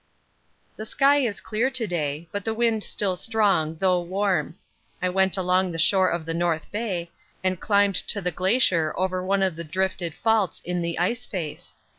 The sky is clear to day, but the wind still strong though warm. I went along the shore of the North Bay and climbed to the glacier over one of the drifted faults in the ice face.